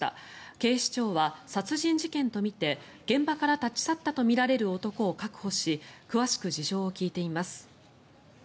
警視庁は殺人事件とみて現場から立ち去ったとみられる男を確保し詳しく事情を聴いています。